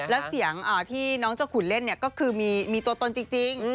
แล้วเสียงที่น้องเจ้าขุนเล่นก็คือมีตัวตนจริง